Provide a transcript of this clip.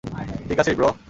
ঠিক আছিস, ব্রো?